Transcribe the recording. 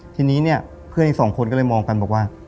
ทีนี้เนี่ยเพื่อนอีกสองคนก็เลยมองกันบอกว่า